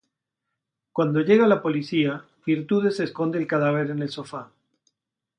Cuando llega la policía Virtudes esconde el cadáver en el sofá.